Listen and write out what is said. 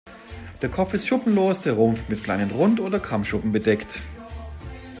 Der Kopf ist schuppenlos, der Rumpf mit kleinen Rund- oder Kammschuppen bedeckt.